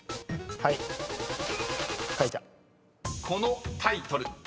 ［このタイトル］